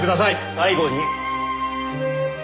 最後に。